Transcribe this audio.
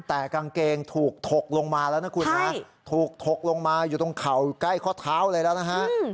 แต่กางเกงถูกถกลงมาแล้วนะคุณนะถูกถกลงมาอยู่ตรงเข่าใกล้ข้อเท้าเลยแล้วนะฮะ